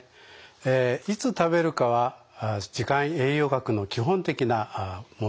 えいつ食べるかは時間栄養学の基本的な問題点ですね。